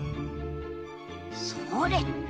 それ！